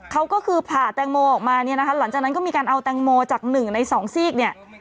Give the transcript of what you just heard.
เขาก็คือผ่าแตงโมออกมาเนี่ยนะคะหลังจากนั้นก็มีการเอาแตงโมจากหนึ่งในสองซีกเนี่ย